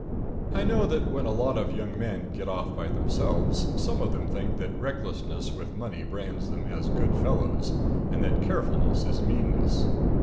I know that when a lot of young men get off by themselves, some of them think that recklessness with money brands them as good fellows, and that carefulness is meanness.